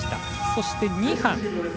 そして、２班。